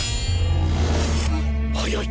速い！